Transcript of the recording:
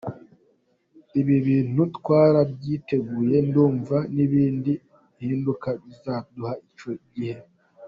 Ibi bintu twarabyiteguye, ndumva nibidahinduka buzataha icyo gihe.